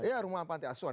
iya rumah panti asuhan